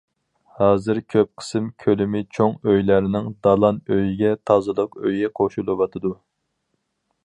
ھازىر كۆپ قىسىم كۆلىمى چوڭ ئۆيلەرنىڭ دالان ئۆيىگە تازىلىق ئۆيى قوشۇلۇۋاتىدۇ.